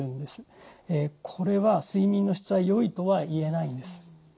これは睡眠の質はよいとは言えないんです。